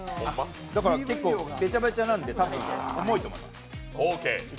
だから結構べちゃべちゃなんでたぶん重いと思います。